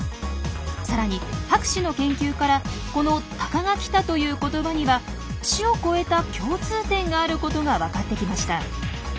さらに博士の研究からこの「タカが来た」という言葉には種を超えた共通点があることが分かってきました。